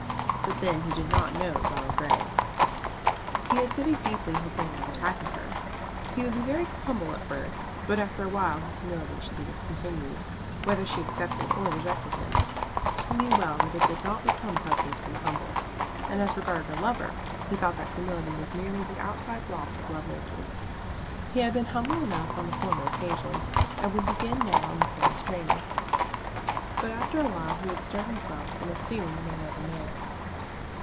But then he did not know Dolly Grey. He had studied deeply his manner of attacking her. He would be very humble at first, but after a while his humility should be discontinued, whether she accepted or rejected him. He knew well that it did not become a husband to be humble; and as regarded a lover, he thought that humility was merely the outside gloss of love making. He had been humble enough on the former occasion, and would begin now in the same strain. But after a while he would stir himself, and assume the manner of a man.